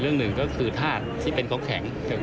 เรื่องหนึ่งก็คือธาตุที่เป็นของแข็ง